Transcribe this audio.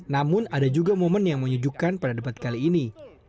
namun ada juga momen yang menyejukkan pada debat kali ini